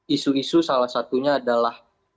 isu isu salah satunya adalah